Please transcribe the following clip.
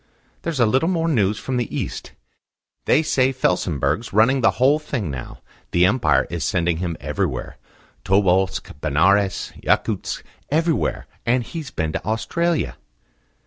"There's a little more news from the East. They say Felsenburgh's running the whole thing now. The Empire is sending him everywhere Tobolsk, Benares, Yakutsk everywhere; and he's been to Australia."